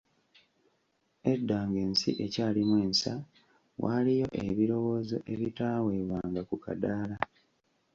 Edda ng'ensi ekyalimu ensa, waaliyo ebirowoozo ebitaweebwanga ku kadaala.